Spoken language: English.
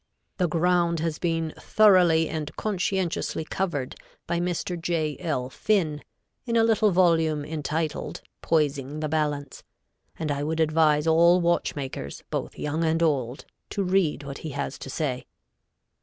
The ground has been thoroughly and conscientiously covered by Mr. J. L. Finn, in a little volume entitled Poising the Balance,[A] and I would advise all watchmakers, both young and old, to read what he has to say.